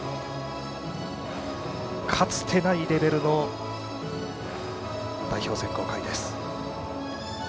かつてないレベルの代表選考会です。